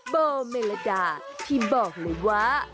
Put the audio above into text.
โบเมลดาที่บอกเลยว่า